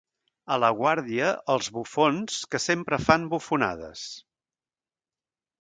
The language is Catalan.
A la Guàrdia, els bufons, que sempre fan bufonades.